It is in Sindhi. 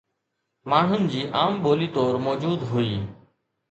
ماڻهن جي عام ٻولي طور موجود هئي